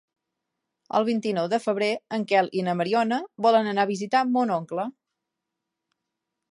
El vint-i-nou de febrer en Quel i na Mariona volen anar a visitar mon oncle.